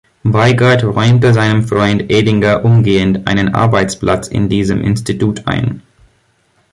Weigert räumte seinem Freund Edinger umgehend einen Arbeitsplatz in diesem Institut ein.